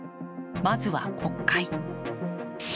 まずは国会。